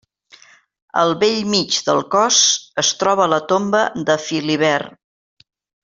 Al bell mig del cos es troba la tomba de Filibert.